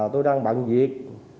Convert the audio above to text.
tôi đang bận việc